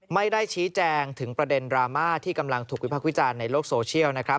ไม่ได้ชี้แจงถึงประเด็นดราม่าที่กำลังถูกวิพักษ์วิจารณ์ในโลกโซเชียลนะครับ